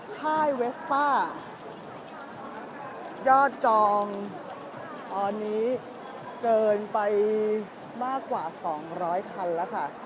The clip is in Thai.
ค่ายเวสป้ายอดจองตอนนี้เกินไปมากกว่า๒๐๐คันแล้วค่ะ